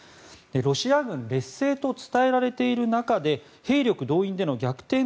ロシア軍劣勢と伝えられている中で兵力動員での逆転